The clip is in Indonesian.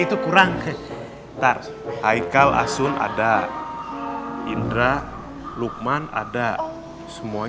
apanya kayaknya kennteng helping